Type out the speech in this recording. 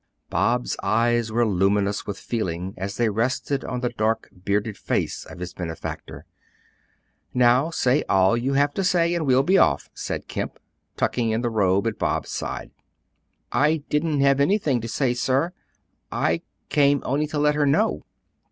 Bob's eyes were luminous with feeling as they rested on the dark, bearded face of his benefactor. "Now say all you have to say, and we'll be off," said Kemp, tucking in the robe at Bob's side. "I didn't have anything to say, sir; I came only to let her know."